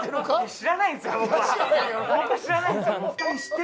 知らないんですよ。